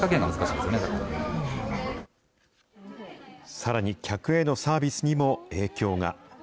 さらに、客へのサービスにも影響が。